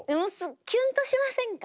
キュンとしませんか？